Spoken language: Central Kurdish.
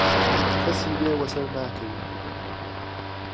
کهسی لێ وەسەر ناکهوی